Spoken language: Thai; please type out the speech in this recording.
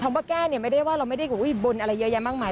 ว่าแก้เนี่ยไม่ได้ว่าเราไม่ได้บนอะไรเยอะแยะมากมาย